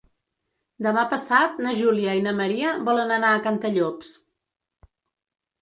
Demà passat na Júlia i na Maria volen anar a Cantallops.